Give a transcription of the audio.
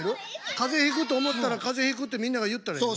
風邪ひくと思ったら風邪ひくってみんなが言ったらええの？